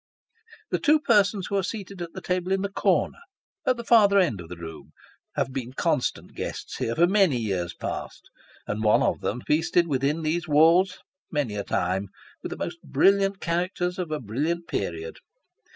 The two persons who are seated at the table in the corner, at the farther end of the room, have been constant guests here, for many years past ; and one of them has feasted within these walls, many a time, with the most brilliant characters of a brilliant period.